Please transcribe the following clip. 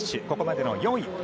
ここまでの４位。